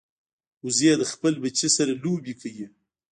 وزې د خپل بچي سره لوبې کوي